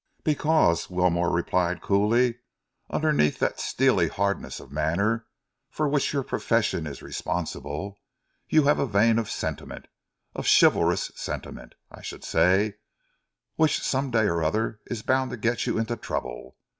"Because," Wilmore replied coolly, "underneath that steely hardness of manner for which your profession is responsible, you have a vein of sentiment, of chivalrous sentiment, I should say, which some day or other is bound to get you into trouble.